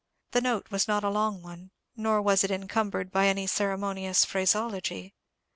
The note was not a long one, nor was it encumbered by any ceremonious phraseology.